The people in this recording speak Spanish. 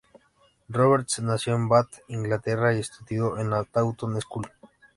Roberts nació en Bath, Inglaterra, y estudió en la Taunton School.